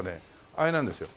あれなんですよ